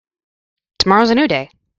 Tomorrow is a new day.